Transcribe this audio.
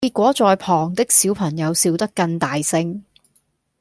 結果在旁的小朋友笑得更大聲！